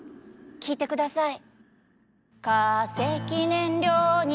聴いてください。